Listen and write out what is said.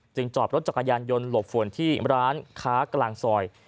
จอบรถจักรยานยนต์หลบฝนที่ร้านค้ากลางซอย